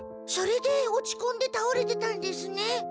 それで落ちこんでたおれてたんですね。